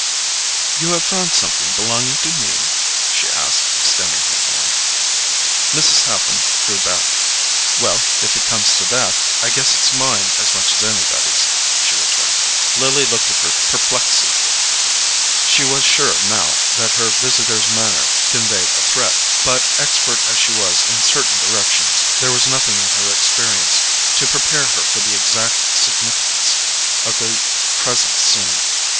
"You have found something belonging to me?" she asked, extending her hand. Mrs. Haffen drew back. "Well, if it comes to that, I guess it's mine as much as anybody's," she returned. Lily looked at her perplexedly. She was sure, now, that her visitor's manner conveyed a threat; but, expert as she was in certain directions, there was nothing in her experience to prepare her for the exact significance of the present scene.